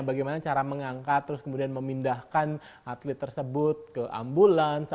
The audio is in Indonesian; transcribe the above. bagaimana cara mengangkat terus kemudian memindahkan atlet tersebut ke ambulans